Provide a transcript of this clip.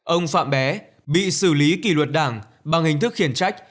ông phạm bé bị xử lý kỷ luật đảng bằng hình thức khiển trách